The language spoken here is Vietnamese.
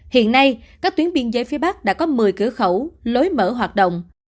hiện nay các tuyến biên giới phía bắc đã có một mươi cửa khẩu lối mở hoạt động